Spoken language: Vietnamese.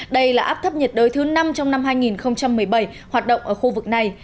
đây là áp thấp nhiệt đới thứ năm trong năm hai nghìn một mươi bảy hoạt động ở khu vực này